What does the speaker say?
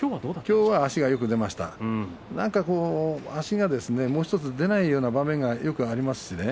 今日は足がよく出ましたがなんか足が出ないような場面がよくありますよね。